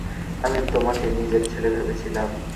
আমি তোমাকে নিজের ছেলে ভেবেছিলাম।